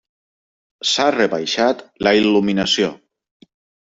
S'ha rebaixat la il·luminació.